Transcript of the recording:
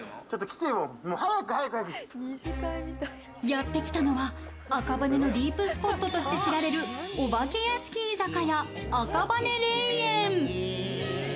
やってきたのは赤羽のディープスポットとして知られるお化け屋敷居酒屋、赤羽霊園。